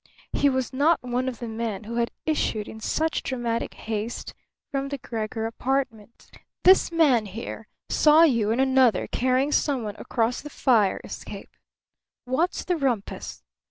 He was not one of the men who had issued in such dramatic haste from the Gregor apartment. "This man here saw you and another carrying someone across the fire escape. What's the rumpus?"